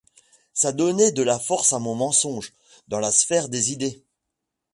Ça donnait de la force à mon mensonge, dans la sphère des idées.